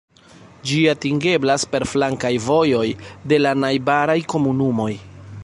Ĝi atingeblas per flankaj vojoj de la najbaraj komunumoj.